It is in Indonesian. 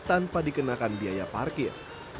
tanpa dikenakan biaya parkir